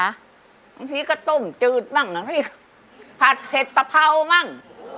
ชีสกระตุ่มจืดบ้างผัดเผ็ดตะพร่าวบ้าง